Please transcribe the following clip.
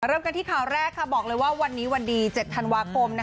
เริ่มกันที่ข่าวแรกบอกเลยว่าวันนี้วันดี๗ธันวาคม